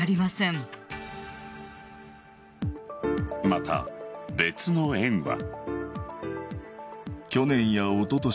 また、別の園は。